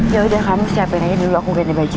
yaudah kamu siapin aja dulu aku ganti baju ya